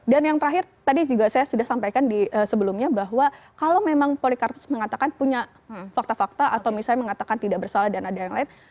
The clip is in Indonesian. dan yang terakhir tadi juga saya sudah sampaikan di sebelumnya bahwa kalau memang polikarpus mengatakan punya fakta fakta atau misalnya mengatakan tidak bersalah dan ada yang lain